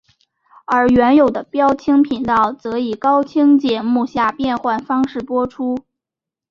而原有的标清频道则以高清节目下变换方式播出。